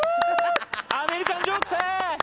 アメリカンジョークさ！